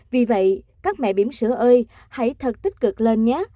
vì vậy các mẹ biếm sữa ơi hãy thật tích cực lên nhé